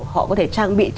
họ có thể trang bị